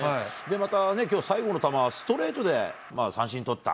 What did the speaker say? またきょう、最後の球、ストレートで三振取った。